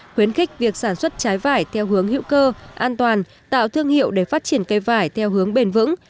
khuyến khích việc sản xuất trái vải theo hướng hữu cơ an toàn tạo thương hiệu để phát triển cây vải theo hướng bền vững